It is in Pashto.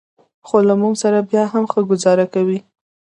خو له موږ سره بیا هم ښه ګوزاره کوي.